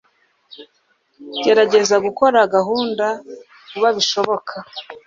Gerageza gukora gahunda vuba bishoboka.